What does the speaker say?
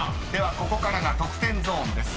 ここからが得点ゾーンです。